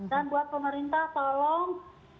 dan buat pemerintah tolong